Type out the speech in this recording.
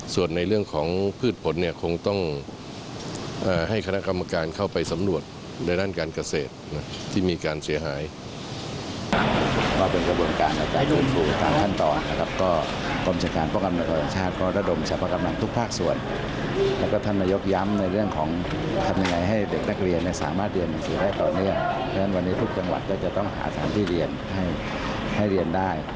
ส่วนในเรื่องของพืชผลคงต้องให้คณะกรรมการเข้าไปสำรวจในด้านการเกษตรที่มีการเสียหาย